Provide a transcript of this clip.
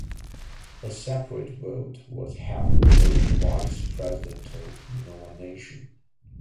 A separate vote was held for the vice presidential nomination.